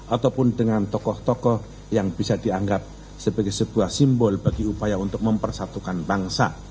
ataupun dengan tokoh tokoh yang bisa dianggap sebagai sebuah simbol bagi upaya untuk mempersatukan bangsa